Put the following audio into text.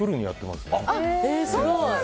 すごい。